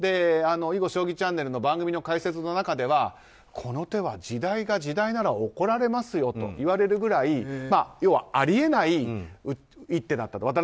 囲碁・将棋チャンネルの番組の解説の中ではこの手は時代が時代なら怒られますよというぐらい要はあり得ない一手だったと。